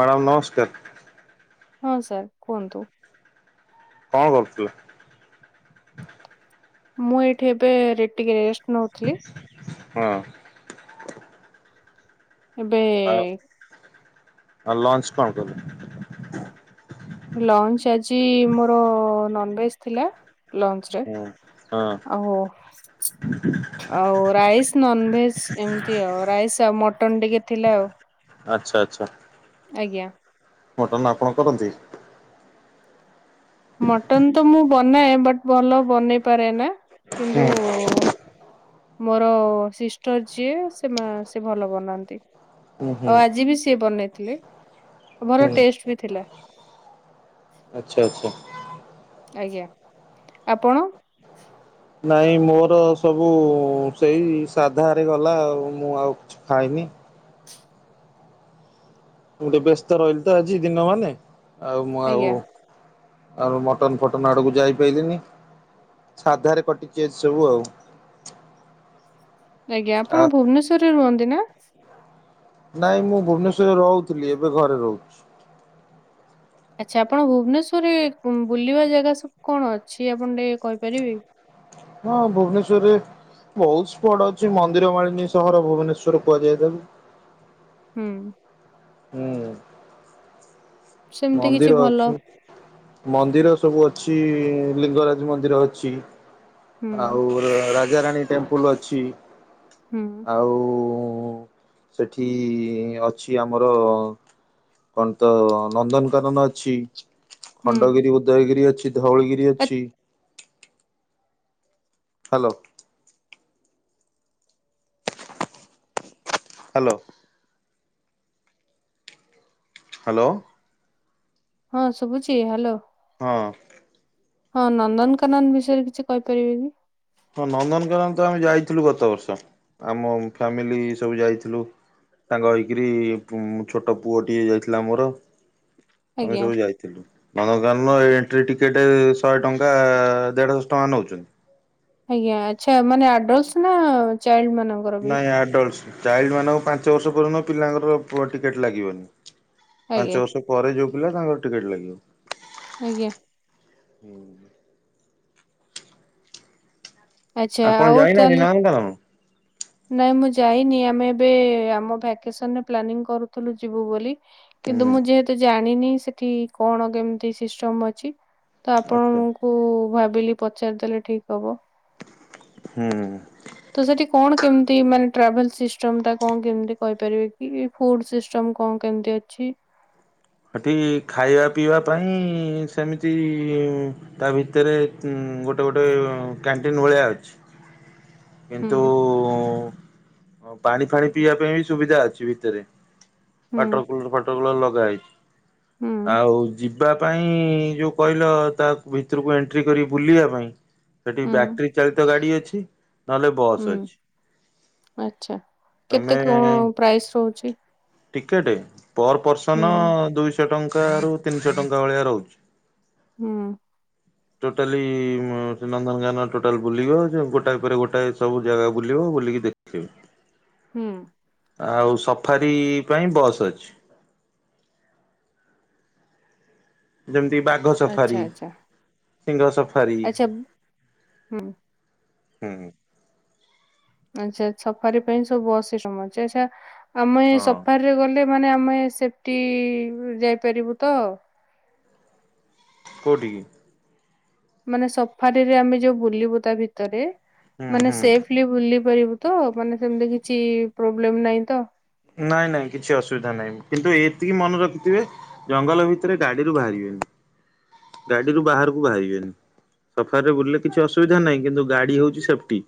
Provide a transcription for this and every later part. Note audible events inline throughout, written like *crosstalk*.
Madam ନମସ୍କାର୍। ହଁ sir କୁହନ୍ତୁ। କଣ କରୁଥିଲ? ମୁଁ ଏଇଠି ଏବେ ରେ ଟିକେ ରେଷ୍ଟ ନଉଥିଲି। ହଁ। ଏବେ ଆ ଲଞ୍ଚ କଣ କୁଲେ। ଲଞ୍ଚ ଆଜି ମୋର ନନଭେଜ ଥିଲା ଲଞ୍ଚ ରେ। ହୁଁ ହଁ। ଓହୋ। ଆଉ ରାଇସ୍ ନନଭେଜ ଏମିତି ଆଉ ରାଇସ୍ ଆଉ ମଟନ୍ ଟିକେ ଥିଲା ଆଉ। ଆଛା ଆଚ୍ଛା। ଆଜ୍ଞା। ମଟନ୍ ଆପଣ କରନ୍ତି? ମଟନ ତ ମୁଁ ବନାଏ ବଟ୍ ଭଲ ବନେଇ ପାରେ ନା ହୁଁ କିନ୍ତୁ ମୋର ସିଷ୍ଟର ଯିଏ ସେ ମା ସେ ଭଲ ବନାନ୍ତି। ହୁଁ ହୁଁ ଆଉ ଆଜି ବି ସିଏ ବନେଇଥିଲେ ଭଲ ହୁଁ ଟେଷ୍ଟ ବି ଥିଲା। ଆଚ୍ଛା ଆଚ୍ଛା। ଆଜ୍ଞା ଆପଣ? ନାଇଁ ମୋର ସବୁ ସେଇ ସାଧାରେ ଗଲା ଆଉ ମୁଁ ଆଉ ଖାଇନି। ଗୋଟେ ବ୍ୟସ୍ତ ରହିଲି ତ ଆଜି ଦିନ ମାନେ ଆଉ ମୁଁ ଆଉ ଆଜ୍ଞା ଆଉ ର ମଟନ୍ ଫଟନ୍ ଆଡକୁ ଯାଇପାଇଲିନି। ସାଧାରେ କଟିଛି ଆଜି ସବୁ ଆଉ। ଆଜ୍ଞା ଆ ଆପଣ ଭୁବନେଶ୍ୱରରେ ରୁହନ୍ତି ନା। ନାଇଁ ମୁଁ ଭୁବନେଶ୍ରରେ ରହୁଥିଲି ଏବେ ଘରେ ରହୁଛି। ଆଚ୍ଛା ଆପଣ ଭୁବନେସ୍ଵରରେ ଉ ବୁଲିବା ଜାଗା ସବୁ କଣ ଅଛି ଆପଣ ଟିକେ କହିପାରିବେ ହଁ ଭୁବନେସ୍ବରରେ ବହୁତ ସ୍ପଟ ଅଛି ମନ୍ଦିର ମାଳିନୀ ସହର ଭୁବନେଶ୍ଵର କୁହାଯାଏ ତାକୁ। ହୁଁ। ହୁଁ ସେମିତି କିଛି ମନ୍ଦିର ଭଲ ଅଛି ମନ୍ଦିର ସବୁ ଅଛି ଲିଙ୍ଗରାଜ ମନ୍ଦିର ଅଛି। ହୁଁ, ଆଉ ରାଜାରାଣୀ ଟେମ୍ପଲ ଅଛି। ହୁଁ, ଆଉ ସେଠି ଅଛି ଆମର କଣ ତ ନନ୍ଦନକାନନ ଅଛି ହୁଁ, ଖଣ୍ଡଗିରି ଉଦୟଗିରି ଅଛି ଧଉଳଗିରି ଆ ଅଛି। ହ୍ୟାଲୋ। ହ୍ୟାଲୋ। ହ୍ୟାଲୋ। ହଁ ଶୁଭୁଛି ହ୍ୟାଲୋ। ହଁ। ହଁ ନନ୍ଦନକାନନ ବିଷୟରେ କିଛି କହିପାରିବେ କି? ହଁ ନନ୍ଦନକାନନ ତ ଆମେ ଯାଇଥିଲୁ ଗତ ବର୍ଷ ଆମ ଫ୍ୟାମିଲି ସବୁ ଯାଇଥିଲୁ। ସାଙ୍ଗ ହେଇକିରି ଫୁ ଛୋଟ ପୁଅଟିଏ ଯାଇଥିଲା ମୋର ଆମେ ଆଜ୍ଞା, ସବୁ ଯାଇ ଥିଲୁ ନନକାନ ଏଣ୍ଟ୍ରି ଟିକେଟ୍ ଶହେ ଟଙ୍କା ଦେଢ଼ଶ ଟଙ୍କା ନୌଛନ୍ତି। ଆଜ୍ଞା ଆଛା ମାନେ ଆଡଲ୍ସ ନା ଚାଇଲ୍ଡ ମାନ ନାଇଁ ଆଡଲ୍ଟ ଚାଇଲ୍ଡ ମାନଙ୍କ ପାଞ୍ଚ ବର୍ଷ ପଯନ୍ତ ପିଲା ମାନଙ୍କର ପୁ ଟିକେଟ ଲାଗିବନି। ଆଜ୍ଞା, ପାଞ୍ଚ ବର୍ଷ ପରେ ଯୋଉ ପିଲା ତାଙ୍କର ଟିକେଟ ଲାଗିବ। ଆଜ୍ଞା। ହୁଁ। ଆଚ୍ଛା ଆପଣ ଆଉ ଯାଇନାହାନ୍ତି ତାହେଲେ ନନ୍ଧନ କାନନ। ନାଇଁ ମୁଁ ଯାଇନି ଆମେ ଏବେ ଆମ ଭ୍ୟାକେସନରେ ପ୍ଲାନିଂ କରୁଥିଲୁ ଯିବୁ ବୋଲି। କିନ୍ତୁ ମୁଁ ହୁଁ ଯେହେତୁ ଜାଣିନି ସେଠି କଣ କେମତି ସିଷ୍ଟମ ଅଛି। ତ ଆଚ୍ଛା ଆପଣଙ୍କୁ ଭାବିଲି ପଚାରିଦେଲେ ଠିକ ହବ। ହୁଁ। ତୁ ସେଠି କଣ କେମିତି ମାନେ ଟ୍ରାଭେଲ ସିଷ୍ଟମଟା କଣ କେମିତି କହିପାରିବେ କି ଫୁଡ଼ ସିଷ୍ଟମ୍ କଣ କେମିତି ଅଛି। ହେଠି ଖାଇବା ପିଇବା ପାଇଁ ସେମିତି ତା ଭିତରେ ଉ ଗୋଟେ ଗୋଟେ କ୍ୟାଣ୍ଟିନ ଭଳିଆ ଅଛି। ହୁଁ କିନ୍ତୁ ପାଣି ଫାଣି ପିଇବା ପାଇଁ ବି ସୁବିଧା ଅଛି ଭିତରେ। ହୁଁ ଫାଟର କୁଲର ଫାଟର କୁଲର ଲଗା ହେଇଛି। ହୁଁ ଆଉ ଯିବା ପାଇଁ ଯୋଉ କହିଲ ତା ଭିତରକୁ ଏଣ୍ଟ୍ରି କରି ବୁଲିବା ପାଇଁ ସେଠି ହୁଁ ବ୍ୟାଟେରୀ ଚାଳିତ ଗାଡି ଅଛି। ନହେଲେ ବସ୍ ହୁଁ ଅଛି ଆଚ୍ଛା କେତେ ତମେ କଣ ପ୍ରାଇସ୍ ରହୁଛି। ଟିକେଟ ପର ହୁଁ ପର୍ସନ ଦୁଇଶହ ଟଙ୍କା ରୁ ତିନିଶହ ଟଙ୍କା ଭଳିଆ ରହୁଛି। ହୁଁ। ଟୋଟାଲି ନନ୍ଦନ କିନନ ଟୋଟାଲ ବୁଲିବ ଗୋଟା ପରେ ଗୋଟେ ଗୋଟା ସବୁ ଜାଗା ବୁଲିବ ବୁଲିକି ଦେଖଥିବେ। ହୁଁ। ଆଉ ସଫାରି ପାଇଁ ବସ୍ ଅଛି। ଜମି ବା ଆଚ୍ଛା ଆଚ୍ଛା। ସିଙ୍ଗ ସଫାରି ଆଚ୍ଛା ହୁଁ। ହୁଁ। ଆଚଛା ସଫାରି ପାଇଁ ସବୁ ଅଶ ଟମ ଅଛି ଆଚ୍ଛା ଆମେ ଏଇ ହଁ ସଫାର। ରେ ଗଲେ ମାନେ ଆମେ ସେଫ୍ଟି ଯାଇପାରିବୁ ତ? କୋଡ଼ିିକି ମାନେ ସଫାରିରେ ଆମେ ଯୋଉ ବୁଲିବୁ ତା ଭିତରେ ହୁଁ ମାନେ ହୁଁ ସେଫଲି ବୁଲି ପାରିବୁ। ତ ମାନେ ସେମିତି କିଛି ପ୍ରୋବ୍ଲେମ୍ ନାହିଁ ତ? ନାଇଁ ନାଇଁ କିଛି ଅସୁବିଧା ନାହିଁ କିନ୍ତୁ ଏତିକି ମନେ ରଖିଥିବେ। ଜଙ୍ଗଲ ଭିତରେ ଗାଡିରୁ ବାହାରିବେନି ଗାଡିରୁ ବାହାରକୁ ବାହାରିବେନି। ସଫାରିରେ ବୁଲିଲେ କିଛି ଅସୁବିଧା ନାହିଁ କିନ୍ତୁ ଗାଡ଼ି ହେଉଛି ସେଫ୍ଟି।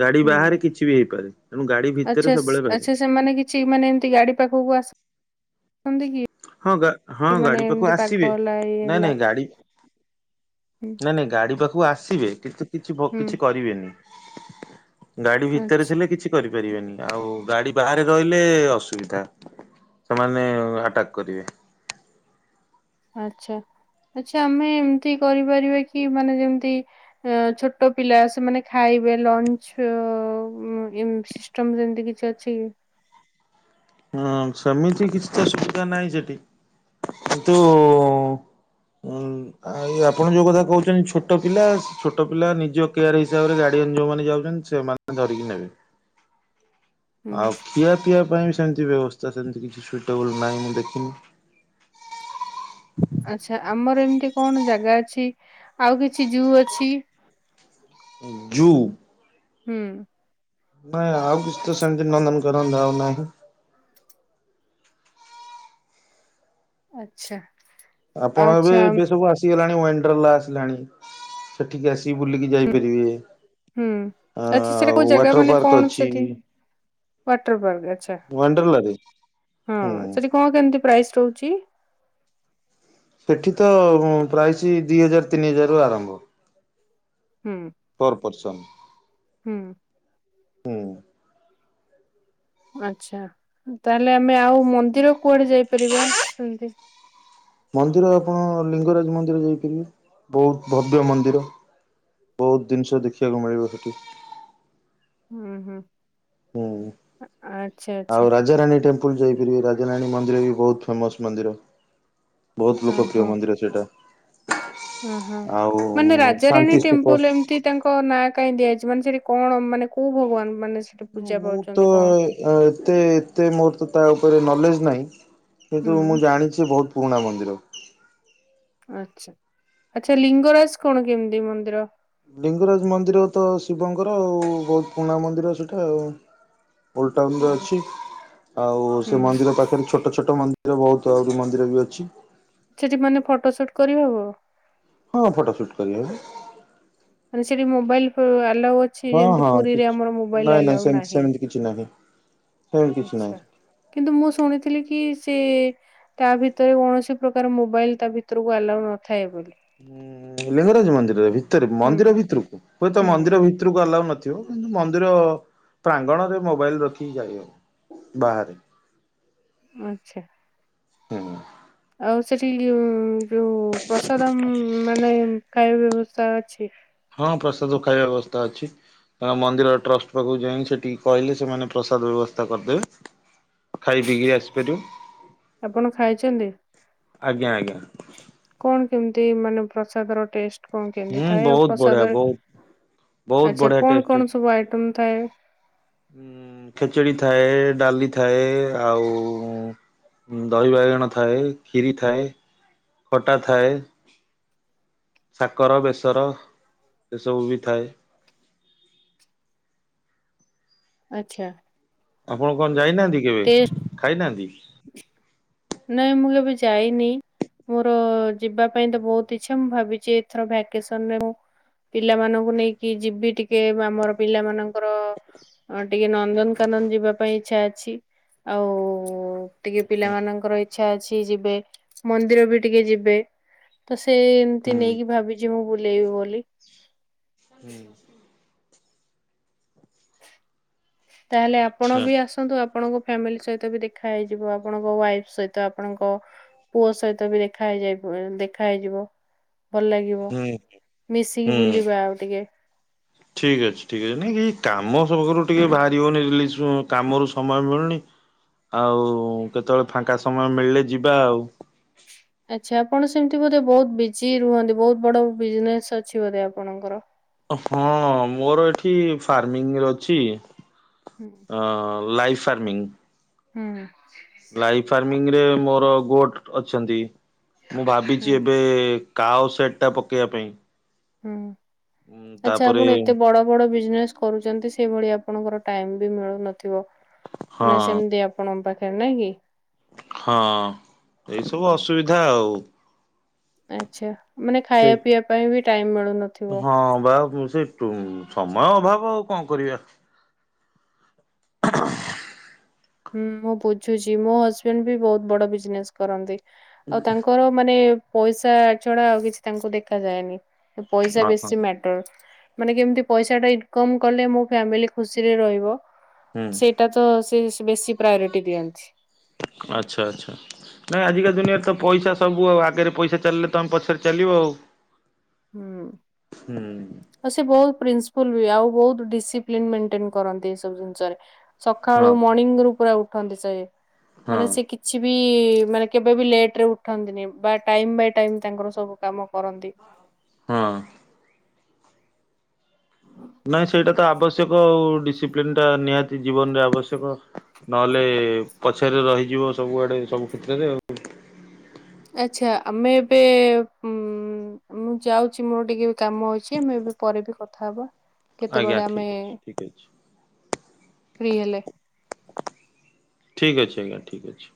ଗାଡି ହୁଁ ବାହାରେ କିଛି ବି ହେଇପାରେ ତେଣୁ ଗାଡି ଆଚ୍ଛା ଭିତରେ ସ୍- ସବୁବେଳେ ବାହିବ। ଆଚ୍ଛା ସେମାନେ କିଛି ମାନେ ଏମତି ଗାଡି ପାଖକୁ ଆସନ୍ତି କି? ହଁ ଗା ହଁ ଗାଡି ମାନେ ପାଖକୁ ଏମିତି ପାଘ ଆସିବେ ହେଲା ଇଏ ନାଇଁ ହେଲା। ନାଇଁ ଗାଡି ହୁଁ ନାଇଁ ନାଇଁ ଗାଡି ପାଖକୁ ଆସିବେ କିନ୍ତୁ କିଛି କିଛି ହୁଁ। କିଛି କରିବେନି। ଗାଡି ଭିତରେ ଆଚ୍ଛା ଥିଲେ କିଛି କରିପାରିବେନି ଆଉ ଗାଡି ବାହାରେ ରହିଲେ ଅସୁବିଧା। ସେମାନେ ଆଟାକ୍ କରିବେ। ଆଚ୍ଛା ଆଚଛା ଆମେ ଏମିତି କରିପାରିବା କି ମାନେ ଯେମ୍ତି। ଛୋଟ ପିଲା ସେମାନେ ଖାଇବେ ଲଞ୍ଚ୍ ସିଷ୍ଟମ୍ ଯେମ୍ତି କିଛି ଅଛି କି? ହଁ ସେମିତି କିଛି ତ ସୁବିଧା ନାହିଁ ସେଠି କିନ୍ତୁ ହୁଁ। ଆ ଆପଣ ଯୋଉ କଥା କହୁଛନ୍ତି ଛୋଟ ପିଲା ଛୋଟ ପିଲା ନିଜ କେୟାର ହିସାବରେ ଗାର୍ଡିଆନ ଯୋଉମାନେ ଯାଉଛନ୍ତି ସେମାନେ ଧରିକି ନବେ। ହୁଁ ଆଉ ଖିଆ ପିଇବା ପାଇଁ ବି ସେମିତି ବ୍ୟବସ୍ଥା ସେମତି କିଛି ସୁଇଟେବୁଲ୍ ନାହିଁ ମୁଁ ଦେଖିନି। ଆଚ୍ଛା ଆମର ଏମିତି କଣ ଜାଗା ଅଛି ଆଉ କିଛି ଜୁ ଅଛି। ଯୁ ହୁଁ। ନାଇଁ ଆଉ କିଛି ତ ସେମିତି ନନ୍ଦନ୍ କାନନ୍ ଯଉ ନାହାନ୍ତି। ଆଚ୍ଛା। ଆପଣ ଏବେ ଆଚ୍ଛା ଏବେ ସବୁ ଆସେ ଆଗଲାଣି ଵନ୍ଡ୍ର୍ଲା ଆସିଲାଣି ସେଠିକି ଆସିକି ବୁଲିକି ଯାଇପାରିବେ। ହୁଁ ଆଚଛା ସେଟା ଆଉ କୋଉ ଜାଗା ୱାଟର ମାନେ ପାର୍କ କଣ ଅଛି ସେଠି? ୱାଟର ପାର୍କ ଆଛା, ୱାଣ୍ଡ୍ରେଲାରେ ହଁ, ହୁଁ। ସେଠି କଣ କେମିତି ପ୍ରାଇସ୍ ରହୁଛି? ସେଠି ତ ପ୍ରାଇସ୍, ଦି ହଜାର୍, ତିନି ହଜାର୍ ରୁ ଆରମ୍ଭ। ହୁଁ ପର୍ ପର୍ସନ୍। ହୁଁ ଆଛା, ତାହେଲେ ଆମେ ଆଉ ମନ୍ଦିର କୁଆଡେ ଯାଇପାରିବା? ସେମିତି ମନ୍ଦିର ଆପଣ ଲିଙ୍ଗରାଜ ମନ୍ଦିର ଯାଇପାରିବେ, ବହୁତ ଭବ୍ୟ ମନ୍ଦିର। ବହୁତ୍ ଜିନିଷ ଦେଖିବାକୁ ମିଳିବ ସେଠି। ହୁଁ ହୁଁ। ହୁଁ, ଆଚ୍ଛା ଆଚ୍ଛା ଆଉ ରାଜାରାଣୀ ଟେମ୍ପ୍ ସୁପୁଲ୍ ଯାଇପାରିବେ, ରାଜାରାଣି ମନ୍ଦିର ବି ବହୁତ ଫେମସ୍ ମନ୍ଦିର। ବହୁତ୍ ଲୋକ ପ୍ର୍ରିୟ ମନ୍ଦିର ସେଇଟା। ଓହୋ, ଆଉ ମାନେ ଶାନ୍ତି ରାଜାରାଣୀ ସ୍ତୂପ ଟେମ୍ପୁଲ୍ ଏମିତି ତାଙ୍କ୍ ନାଁ କାଇଁ ଦିଆଯାଇଛି? ମାନେ ସେଠି କଣ, ମାନେ କୋଉ ଭଗବାନ ମାନେ ସେଠି ହଁ ପୂଜା ମୁଁ ତ ପାଉଛନ୍ତି କଣ? ଏ ଏତେ, ଏତେ ମୋର ତ ତା ଉପରେ ନଲେଜ ନାହିଁ, ହୁଁ କିନ୍ତୁ ମୁଁ ଜାଣିଛି ସେ ବହୁତ ପୁରୁଣା ମନ୍ଦିର। ଆଛା, ଆଛା ଲିଙ୍ଗରାଜ କଣ କେମିତି ମନ୍ଦିର? ଲିଙ୍ଗରାଜ ମନ୍ଦିର ତ ଶିବଙ୍କର ଆଉ, ବହୁତ ପୁରୁଣା ମନ୍ଦିର ସେଇଟା ଆଉ। ଓଲଡ ଟାଉନରେ ଅଛି, ଆଉ ସେ ହୁଁ ମନ୍ଦିର ପାଖରେ ଛୋଟ ଛୋଟ ମନ୍ଦିର, ବହୁତ ଆହୁରି ମନ୍ଦିର ବି ଅଛି। ସେଠି ମାନେ ଫଟୋ ସୁଟ କରିହବ? ହଁ, ଫଟୋ ଶୁଟ କରିହବ। ମାନେ ସେଠି ମୋବାଇଲ ଆଲାଉ ଅଛି, ହଁ ଯେମିତି ହଁ ପୁରୀରେ କିଛି ଆମର ମୋବାଇଲ ନାଇଁ ନାଇଁ ଆଲାଉ ସେମତି ନାହିଁ। ସେମିତି କିଛି ନାହିଁ। ସେମିତି କିଛି ନାହିଁ। ଆଛା, କିନ୍ତୁ ମୁଁ ଶୁଣିଥିଲି କି ସେ ତା ଭିତରେ କୌଣସି ପ୍ରକାର ମୋବାଇଲ ତା ଭିତରକୁ ଆଲାଉ ନ ହୁଁ, ଲିଙ୍ଗରାଜ ମନ୍ଦିର, ଭିତରେ, ହୁଁ ମନ୍ଦିର ଭିତରକୁ, ହୁଏତ ହୁଁ ମନ୍ଦିର ଭିତ ଭିତରକୁ ଆଲାଉ ନଥିବ, କିନ୍ତୁ ମନ୍ଦିର ପ୍ରାଙ୍ଗଣରେ ମୋବାଇଲ ରଖିକି ଯାଇହବ। ବାହାରେ। ଆଛା। ହୁଁ ଆଉ ସେଠି ଉ ଯୋଉ ପ୍ରସାଦ ମାନେ ଖାଇବା ବ୍ୟବସ୍ଥା ଅଛି? ହଁ, ପ୍ରସାଦ ଖାଇବା ବ୍ୟବସ୍ଥା ଅଛି। ତାଙ୍କ ମନ୍ଦିର ଟ୍ରଷ୍ଟ ପାଖକୁ ଯାଇ ସେଠିକି କହିଲେ, ସେମାନେ ପ୍ରସାଦ ବ୍ୟବସ୍ଥା କରିଦେବେ। ଖାଇ ପିିକି ଆସିପାରିବ, ଆପଣ ଖାଇଛନ୍ତି? ଆଜ୍ଞା ଆଜ୍ଞା। କଣ କେମିତି ମାନେ ପ୍ରସାଦର ଟେଷ୍ଟ? କଣ କେମିତି ହୁଁ ଥାଏ? ଆ ବହୁତ ବଢିଆ ପ୍ରସାଦ ବହୁତ ବହୁତ ଆଛା, ବଢିଆ କଣ ଟେଷ୍ଟ କଣ ସବୁ ଆଇଟମ ଥାଏ? ଉ ଖେଚେଡି ଥାଏ, ଡାଲି ଥାଏ, ଆଉ ଦହି ବାଇଗଣ ଥାଏ, କ୍ଷିରି ଥାଏ, ଖଟା ଥାଏ। ସାକର, ବେସର, ଏସବୁ ବି ଥାଏ। ଆଛା। ଆପଣ କଣ ଯାଇନାହାନ୍ତି କେବେ? ଖାଇନାହାନ୍ତି? ନାଇଁ, ମୁଁ କେବେ ଯାଇନି। ମୋର ଯିବା ପାଇଁ ତ ବହୁତ ଇଛା, ମୁଁ ଭାବିଛି ଏଥର ଭାକେସନରେ ପିଲାମାନଙ୍କୁ ନେଇକି ଯିବି ଟିକେ, ଆମର ପିଲାମାନଙ୍କୁ ତାଙ୍କର ଟିକେ ନନ୍ଦନକାନନ ଯିବା ପାଇଁ ଇଛା ଅଛି, ଆଉ ଟିକେ ପିଲାମାନଙ୍କର ଇଛା ଅଛି ଯିବେ, ମନ୍ଦିର ବି ଟିକେ ଯିବେ। ତ ସେ ଏମତି ହୁଁ ନେଇକି ଭାବିଛି ମୁଁ ବୁଲେଇବି ବୋଲି। ହୁଁ ତାହେଲେ ଆପଣ ଆଚ୍ଛା ବି ଆସ ନ୍ତୁ ଆପଣଙ୍କ ଫ୍ୟାମିଲି ସହିତ ବି ଦେଖା ହେଇଯିବ। ଆପଣଙ୍କ ୱାଇଫ୍ ସହିତ ଆପଣଙ୍କ ପୁଅ ସହିତ ବି ଦେଖା ହେଇଯାଇ ଦେଖା ହେଇଯିବ। ଭଲ ଲାଗିବ। ହୁଁ ମିଶିକି ହୁଁ। ବୁଲିବା ଆଉ ଟିକେ। ଠିକ୍ ଅଛି ଠିକ୍ ଅଛି। ନାଇଁ ଏ କାମ *unintelligible* ଟିକେ ବାହାରି ହେଉନି ରିଲିଜ୍ କାମରୁ ସମୟ ମିଳୁନି। ଆଉ କେତେବେଳେ ଫାଙ୍କା ସମୟ ମିଳିଲେ ଯିବା ଆଉ। ଆଚ୍ଛା। ଆପଣ ସେମିତି ବୋଧେ ବହୁତ ବିଜି ରୁହନ୍ତି। ବହୁତ ବଡ ବିଜନେସ୍ ଅଛି ବୋଧେ ଆପଣଙ୍କର? ହଁ ମୋର ଏଠି ଫାର୍ମିଂରେ ଅଛି। ହୁଁ। ହଁ ଲାଇଫ୍ ଫାର୍ମିଂ। ହୁଁ। ଲାଇଫ୍ ଫାର୍ମିଂରେ ମୋର ଗୋଟ୍ ଅଛନ୍ତି। ମୁଁ ହୁଁ ଭାବିଚି ଏବେ କାଓ ସେଟ୍ ଟା ପକେଇବା ପାଇଁ। ଉଁ ହୁଁ। ଆଚ୍ଛା ତାପରେ ଆପଣ ଏତେ ବଡ ବଡ଼ ବିଜନେସ୍ କରୁଛନ୍ତି। ସେଭଳି ଆପଣଙ୍କର ଟାଇମ୍ ବି ମିଳୁନଥିବ। ହଁ ମାନେ ସେମତି ଆପଣଙ୍କ ପାଖେରେ ନାଇଁ କି? ହଁ ହୁଁ, ଏଇସବୁ ହୁଁ। ଅସୁବିଧା ଆଉ। ଆଚ୍ଛା। ମାନେ ସେଇ ଖାଇବା ପିଇବା ପାଇଁ ବି ଟାଇମ୍ ମିଳୁନଥିବ? ହଁ ବା ମୁଁ ସେ ଯୋଉ ସମୟ ଅଭାବ ଆଉ କଣ କରିବା। ହୁଁ ମୁଁ ବୁଝୁଚି। ମୋ ହଜବେଣ୍ଡ ବି ବହୁତ ବଡ ବିଜନେସ୍ କରନ୍ତି। ଆଉ ତାଙ୍କର ମାନେ ପଇସା ଛଡା ଆଉ କିଛି ତାଙ୍କୁ ଦେଖାଯାଏନି। ପଇସା ଅ ହଁ ବେଶୀ ମ୍ୟାଟର୍। ମାନେ କେମିତି ପଇସା ଟା ଇନକମ୍ କଲେ ମୋ ଫ୍ୟାମିଲି ଖୁସିରେ ରହିବ। ହୁଁ। ସେ ସେଇଟା ତ ସେ ବେଶୀ ପ୍ରାୟୋରିଟି ଦିଅନ୍ତି। ଆଚ୍ଛା ଆଚ୍ଛା। ନାଇଁ ଆଜିକାଲି ଦୁନିଆରେ ତ ପଇସା ସବୁ ଆଉ। ଆଗରେ ପଇସା ଚାଲିଲେ ତମେ ପଛରେ ଚାଲିବ ଆଉ। ହୁଁ ‌। ହୁଁ ଆଉ ସେ ବହୁତ ପ୍ରିନ୍ସିପୁଲ୍ ବି। ଆଉ ବହୁତ ଡିସିପ୍ଲିନ୍ ମେଣ୍ଟେନ୍ କରନ୍ତି ଏବୁ ଜିନିସ ରେ। ହଁ ସଖାଳୁ ମର୍ଣ୍ଣିଂ ରୁ ପୁରା ଉଠନ୍ତି ସେ। ହଁ ମାନେ ସେ କି କିଛି ବି ମାନେ କେବେ ବି ଲେଟ୍ ରେ ଉଠନ୍ତିନି। ବା ଟାଇମ୍ ବାଇ ଟାଇମ୍ ତାଙ୍କର ସବୁ କାମ କରନ୍ତି। ହଁ। ହଁ *inaudible* ନାଇଁ ସେଇଟା ତ ଆବଶ୍ୟକ ଆଉ। ଡିସିପ୍ଲିନ୍ ଟା ନିହାତି ଜୀବନରେ ଆବଶ୍ୟକ। ନହେଲେ ପଛରେ ରହିଯିବ ସବୁଆଡ଼େ ସବୁ କ୍ଷେତ୍ରରେ ଆଉ। ଆଚ୍ଛା। ଆମେ ଏବେ ମୁଁ ଯାଉଚି ମୋର ଟିକେ ବି କାମ ଅଛି, ଆମ ଏବେ ପରେ ବି କଥା ହବା। ଆଜ୍ଞା କେତେବେଳେ ଆମେ ଠିକ୍ ଅଛି ଠିକ୍ ଅଛି ଫ୍ରି ହେଲେ। ଠିକ୍ ଅଛି ଆଜ୍ଞା ଠିକ୍ ଅଛି।